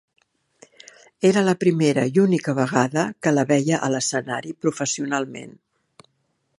Era la primera i única vegada que la veia a l'escenari professionalment.